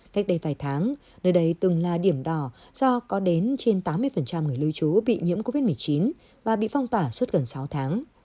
cách đây vài tháng nơi đây từng là điểm đỏ do có đến trên tám mươi người lưu trú bị nhiễm covid một mươi chín và bị phong tỏa suốt gần sáu tháng